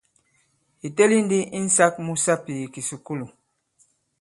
Ì teli ndi insāk mu sapì i kìsùkulù.